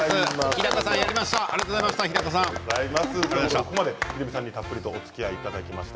日高さん、やりました！